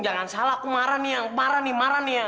jangan salah aku marah nih ya marah nih marah nih ya